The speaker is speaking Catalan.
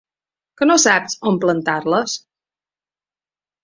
Què no saps on plantar-les?